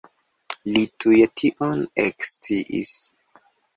Li tuj tion eksciis.